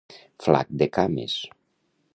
Flac de cames.